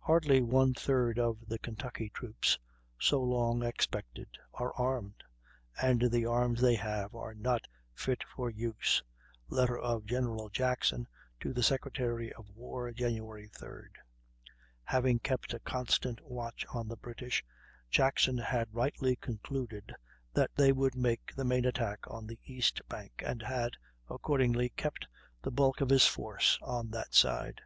"Hardly one third of the Kentucky troops, so long expected, are armed, and the arms they have are not fit for use." (Letter of Gen. Jackson to the Secretary of War, Jan. 3d.) Having kept a constant watch on the British, Jackson had rightly concluded that they would make the main attack on the east bank, and had, accordingly, kept the bulk of his force on that side.